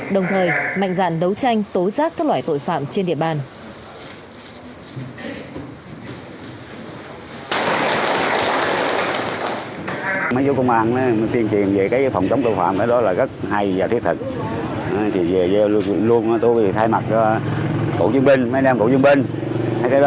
đồng thời mạnh dạn đấu tranh tối giác các loại tội phạm trên địa bàn